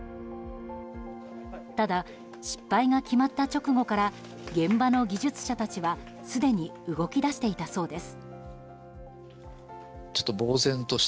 ただ失敗が決まった直後から現場の技術者たちはすでに動き出していたそうです。